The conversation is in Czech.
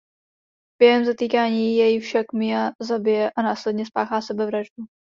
Během zatýkání jej však Mia zabije a následně spáchá sebevraždu.